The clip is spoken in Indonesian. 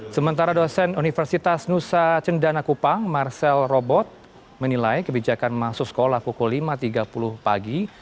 sementara dosen universitas nusa cendana kupang marcel robot menilai kebijakan masuk sekolah pukul lima tiga puluh pagi